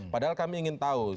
padahal kami ingin tahu